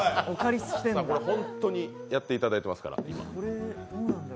これ本当にやっていただいてますから、皆さん。